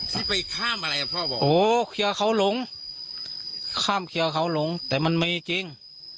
คิดไปข้ามอะไรครับพ่อบอกโหเครือเขาหลงข้ามเครือเขาหลงแต่มันไม่จริง